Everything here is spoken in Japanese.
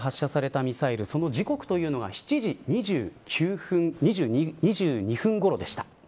北朝鮮から発射されたミサイルその時刻というのが７時２２分ごろでした。